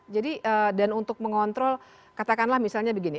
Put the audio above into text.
jadi dan untuk mengontrol katakanlah misalnya begini